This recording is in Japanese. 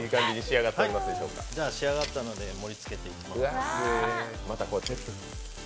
仕上がったので、盛りつけていきます。